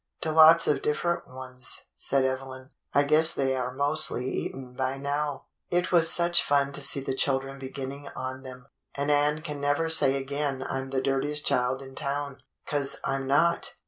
"To lots of different ones," said Evelyn. "I guess they are mostly eaten by now. It was such fun to see the children beginning on them! And Ann can never say again I'm the dirtiest child in town, 'cause I'm not.